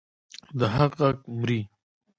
د حق غږ مري؟